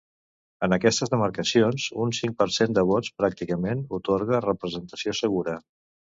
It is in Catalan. En aquestes demarcacions, un cinc per cent de vots pràcticament atorga representació segura.